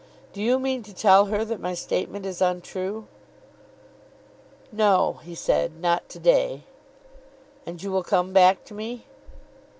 "Do you mean to tell her that my statement is untrue?" "No, " he said; "not to day." "And you will come back to me?"